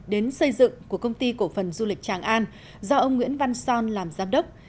đến xây dựng của công ty cổ phần du lịch tràng an do ông nguyễn văn son làm giám đốc